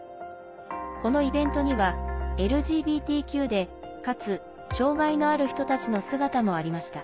このイベントにはＬＧＢＴＱでかつ障害のある人たちの姿もありました。